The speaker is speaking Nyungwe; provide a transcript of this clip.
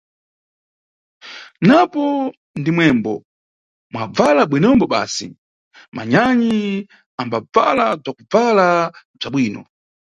Napo ndimwembo mwabvala bwinombo basi, manyanyi ambabvala bzakubvala bza bwino.